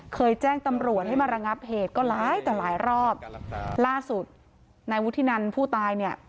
เคยแจ้งตำรวจให้มาระงับเหตุก็หลายต่อหลายรอบล่าสุดนายวุฒินันผู้ตายเนี่ย